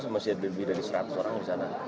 masih ada lebih dari seratus orang di sana